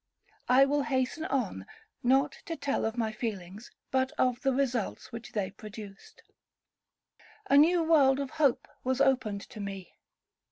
I will hasten on, not to tell of my feelings, but of the results which they produced. A new world of hope was opened to me.